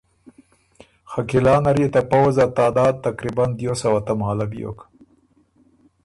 خه قلعه نر يې ته پؤځ ا تعداد تقریباً دیو سوه تماله بیوک